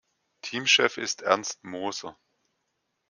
Teamchef ist "Ernst Moser".